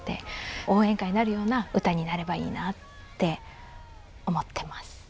応援歌になるような歌になればいいなって思ってます。